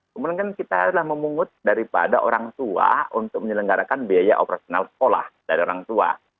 kemudian kan kita adalah memungut daripada orang tua untuk menyelenggarakan biaya operasional sekolah dari orang tua